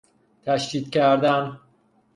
تشدید کردن